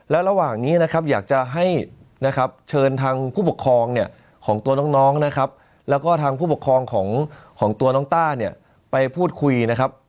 แล้วระหว่างนี้นะครับอยากจะให้นะครับเชิญทางผู้ปกครองเนี่ยของตัวน้องนะครับแล้วก็ทางผู้ปกครองของตัวน้องต้าเนี่ยไปพูดคุยนะครับ